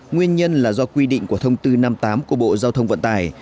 nguyên nhân là do quy định của thông tư năm mươi tám của bộ giao thông vận tải